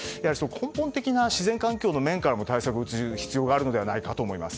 根本的な自然環境の面からの対策が必要ではないかと思います。